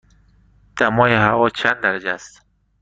دمای هوا چند درجه است؟